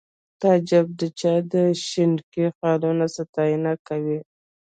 تعجب به د چا د شینکي خالونو ستاینه کوله